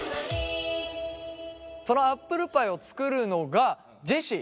そのアップルパイを作るのがジェシー。